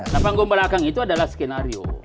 nah panggung belakang itu adalah skenario